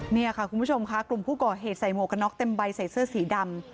นี่ค่ะคุณผู้ชมค่ะกลุ่มผู้ก่อเหตุใส่หมวกกันน็อกเต็มใบใส่เสื้อสีดำ